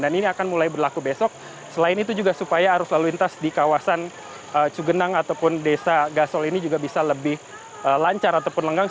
dan ini akan mulai berlaku besok selain itu juga supaya arus lalu lintas di kawasan cugenang ataupun desa gasol ini juga bisa lebih lancar ataupun lenggang